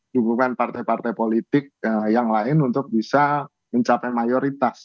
dukungan partai partai politik yang lain untuk bisa mencapai mayoritas